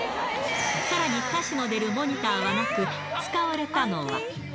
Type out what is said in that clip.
さらに歌詞の出るモニターはなく、使われたのは。